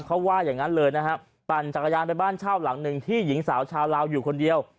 เขาว่าอย่างนั้นเลยนะฮะปั่นจักรยานไปบ้านเช่าหลังหนึ่งที่หญิงสาวชาวลาวอยู่คนเดียว